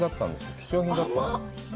貴重品だったの。